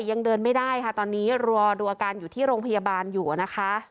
ยังเดินไม่ได้ค่ะตอนนี้รอดูอาการอยู่ที่โรงพยาบาลอยู่นะคะ